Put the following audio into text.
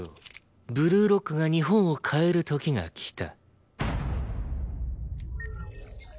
ブルーロックが日本を変える時が来た。